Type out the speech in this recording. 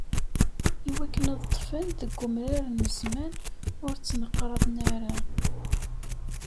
Iwakken ad ṭṭfen deg umrar n zzman ur ttneqraḍen ara.